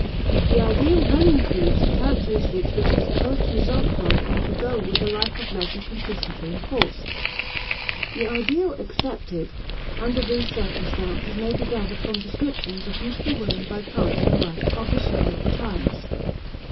The ideal then includes the characteristics which are supposed to result from or to go with a life of leisure consistently enforced. The ideal accepted under these circumstances may be gathered from descriptions of beautiful women by poets and writers of the chivalric times.